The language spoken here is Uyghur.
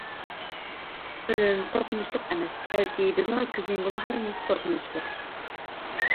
ئۆلۈم قورقۇنچلۇق ئەمەس، بەلكى بىزنىڭ ئۆتكۈزگەن گۇناھلىرىمىز قورقۇنچلۇق.